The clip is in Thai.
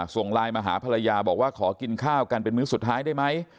ส่งไลน์มาหาภรรยาบอกว่าขอกินข้าวกันเป็นมื้อสุดท้ายได้ไหม